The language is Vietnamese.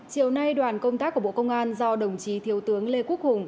chiều nay đoàn công tác của bộ công an do đồng chí thiếu tướng lê quốc hùng